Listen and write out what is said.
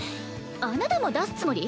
あなたも出すつもり？